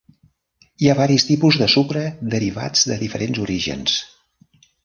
Hi ha varis tipus de sucre derivats de diferents orígens.